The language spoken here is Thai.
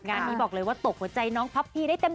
งานนี้บอกเลยว่าตกหัวใจน้องพับพีได้เต็ม